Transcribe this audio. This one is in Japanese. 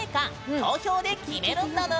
投票で決めるんだぬん。